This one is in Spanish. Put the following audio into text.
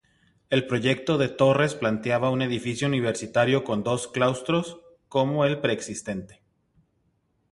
El proyecto de Torres planteaba un edificio universitario con dos claustros, como el preexistente.